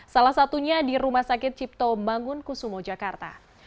salah satunya di rumah sakit cipto bangun kusumo jakarta